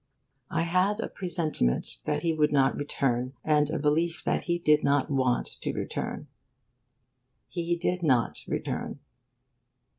I had a presentiment that he would not return, and a belief that he did not want to return. He did not return.